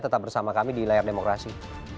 tetap bersama kami di layar demokrasi